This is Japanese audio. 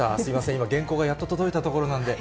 今、原稿がやっと届いたところなんで。